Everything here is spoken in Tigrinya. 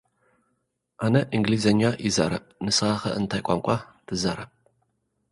ኣነ እንግሊዘኛ ይዛረብ' ንስኻ'ኸ፡ እንታይ ቋንቋ ትዛረብ?